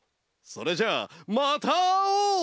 それじゃあまたあおう！